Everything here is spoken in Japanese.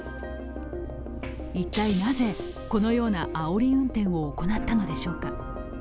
一体なぜ、このようなあおり運転を行ったのでしょうか。